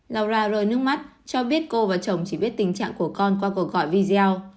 laura roi nước mắt cho biết cô và chồng chỉ biết tình trạng của con qua cuộc gọi video